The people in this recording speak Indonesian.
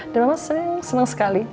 dan mama seneng seneng sekali